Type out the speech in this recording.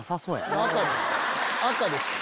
赤です！